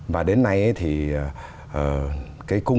và đến nay thì cái cung